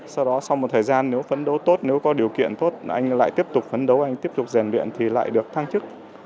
sau đó sau một thời gian nếu phấn đấu tốt nếu có điều kiện tốt anh lại tiếp tục phấn đấu anh tiếp tục giàn luyện thì lại được thăng chức